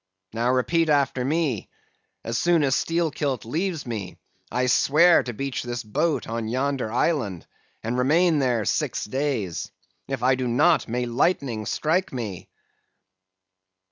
Now, repeat after me. As soon as Steelkilt leaves me, I swear to beach this boat on yonder island, and remain there six days. If I do not, may lightnings strike me!